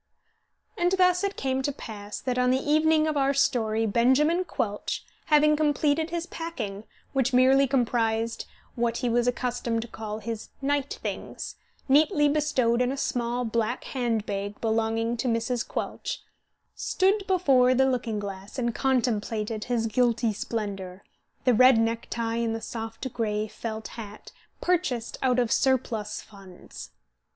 And thus it came to pass that, on the evening of our story, Benjamin Quelch, having completed his packing, which merely comprised what he was accustomed to call his "night things," neatly bestowed in a small black hand bag belonging to Mrs. Quelch, stood before the looking glass and contemplated his guilty splendour, the red necktie and the soft gray felt hat, purchased out of surplus funds.